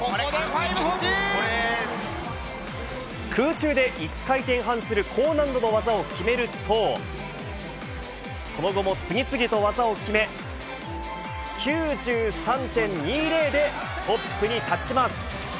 空中で１回転半する高難度の技を決めるとその後も次々と技を決め９３．２０でトップに立ちます。